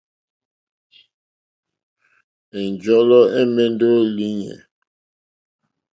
Ɛ̀njɔ́lɔ́ ɛ̀mɛ́ndɛ́ ó lìɲɛ̂.